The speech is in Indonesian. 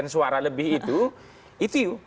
suara lebih itu itu